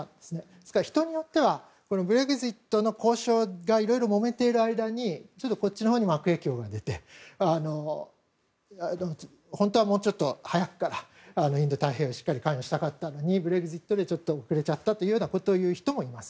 ですから、人によってはブレグジッドの交渉がいろいろもめている間にこっちにも悪影響が出て本当はもうちょっと早くからインド太平洋にしっかり関与したかったのにブレグジットで遅れちゃったという方もいます。